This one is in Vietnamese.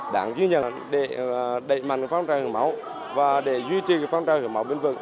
đảng ghi nhận để đẩy mạnh phong trào hiến máu và để duy trì phong trào hiến máu bên vực